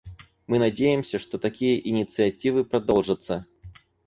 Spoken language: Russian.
Мы надеемся, что такие инициативы продолжатся.